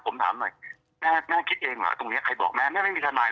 ผมถามหน่อยแม่แม่คิดเองเหรอตรงนี้ใครบอกแม่แม่ไม่มีทนาย